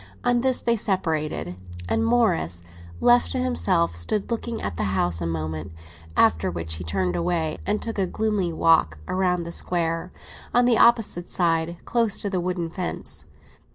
On this they separated, and Morris, left to himself, stood looking at the house a moment; after which he turned away, and took a gloomy walk round the Square, on the opposite side, close to the wooden fence.